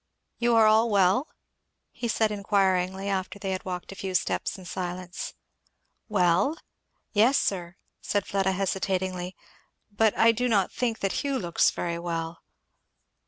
"You are all well?" he said inquiringly, after they had walked a few steps in silence. "Well? yes, sir, " said Fleda hesitatingly, "but I do not think that Hugh looks very well."